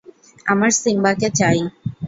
আমার সিম্বাকে চাই!